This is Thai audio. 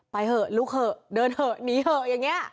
เถอะลุกเถอะเดินเถอะหนีเถอะอย่างนี้